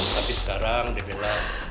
tapi sekarang dia bilang